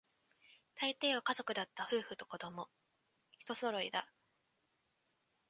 大抵は家族だった、夫婦と子供、一揃いだ